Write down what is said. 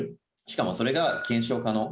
しかもそれが検証可能。